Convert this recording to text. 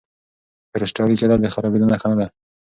کرسټالي کېدل د خرابېدو نښه نه ده.